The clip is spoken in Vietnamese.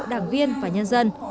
đảng viên và nhân dân